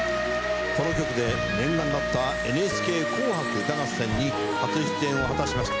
この曲で念願だった『ＮＨＫ紅白歌合戦』に初出演を果たしました。